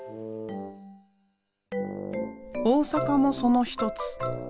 大阪もその一つ。